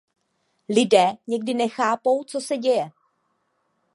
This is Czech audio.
Lidé někdy nechápou, co se děje.